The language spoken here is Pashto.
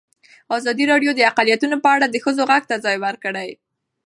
ازادي راډیو د اقلیتونه په اړه د ښځو غږ ته ځای ورکړی.